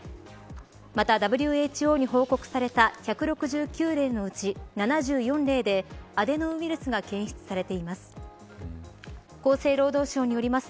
また、ＷＨＯに報告された１６９例のうち７４例でアデノウイルスが検出されています。